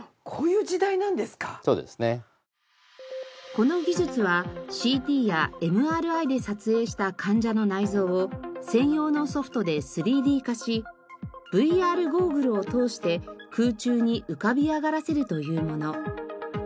この技術はＣＴやＭＲＩで撮影した患者の内臓を専用のソフトで３Ｄ化しＶＲゴーグルを通して空中に浮かび上がらせるというもの。